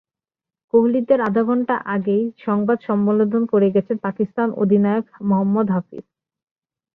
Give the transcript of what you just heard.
কোহলিদের আধঘণ্টা আগেই সংবাদ সম্মেলন করে গেছেন পাকিস্তান অধিনায়ক মোহাম্মদ হাফিজ।